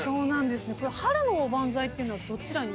春のおばんざいっていうのはどちらに。